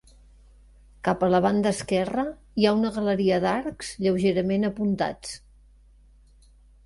Cap a la banda esquerra hi ha una galeria d'arcs lleugerament apuntats.